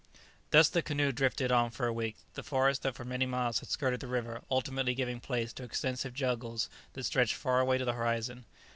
Thus the canoe drifted on for a week, the forests that for many miles had skirted the river ultimately giving place to extensive jungles that stretched far away to the horizon.